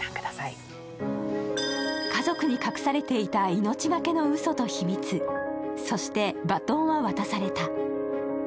家族に託されていた命懸けのうそと秘密、「そして、バトンは渡された」。